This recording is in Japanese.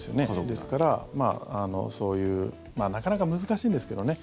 ですからそういうなかなか難しいんですけどね。